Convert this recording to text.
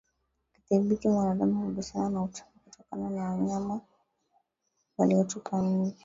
Kudhibiti mwanadamu kugusana na uchafu kutoka kwa wanyama waliotupa mimba